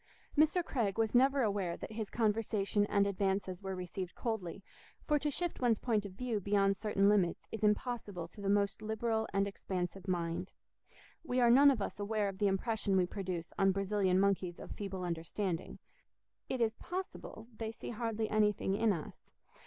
Mr. Craig was never aware that his conversation and advances were received coldly, for to shift one's point of view beyond certain limits is impossible to the most liberal and expansive mind; we are none of us aware of the impression we produce on Brazilian monkeys of feeble understanding—it is possible they see hardly anything in us.